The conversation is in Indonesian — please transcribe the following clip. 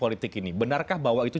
politik ini benarkah bahwa itu